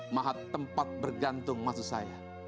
mahat tempat bergantung maksud saya